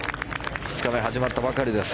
２日目、始まったばかりです。